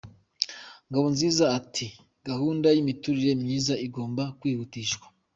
Ngabonziza ati gahunda y’imiturire myiza igomba kwihutishwa.